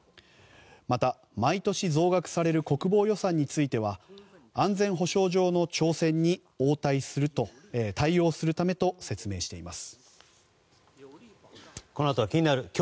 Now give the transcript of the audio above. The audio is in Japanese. また、毎年増額される国防予算については安全保障上の挑戦に対応するためと説明しています。